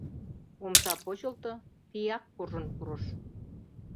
Омса почылто, тияк куржын пурыш.